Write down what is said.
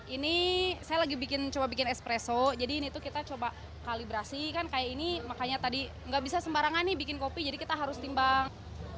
ini saya lagi coba bikin espresso jadi ini tuh kita coba kalibrasi kan kayak ini makanya tadi nggak bisa sembarangan nih bikin kopi jadi kita harus timbang